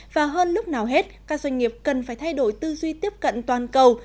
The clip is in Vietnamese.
và hơn lúc nào hết các doanh nghiệp cần phải thay đổi tư duy tiếp cận toàn cầu